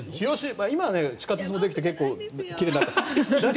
今は地下鉄もできて奇麗になった。